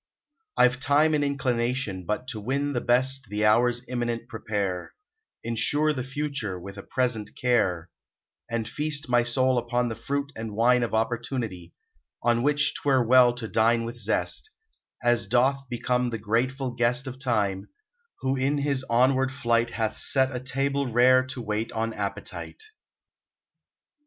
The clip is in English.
Fve time and inclination but to win The best the hours imminent prepare ; Insure the future with a present care, And feast my soul upon the fruit and wine Of Opportunity, on which twere well to dine With zest, As doth become the grateful guest Of Time, who in his onward flight Hath set a table rare to wait on appetite.